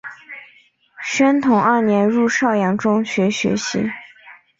宣统二年入邵阳中学学习。